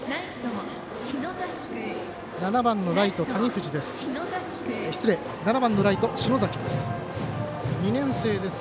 ７番のライト、篠崎です。